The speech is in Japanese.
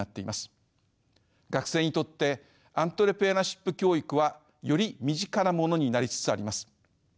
学生にとってアントレプレナーシップ教育はより身近なものになりつつあります。